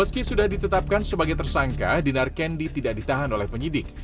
meski sudah ditetapkan sebagai tersangka dinar kendi tidak ditahan oleh penyidik